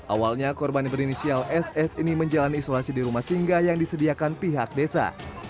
awalnya korban berinisial ss ini menjalani isolasi di rumah singgah yang disediakan pihak desa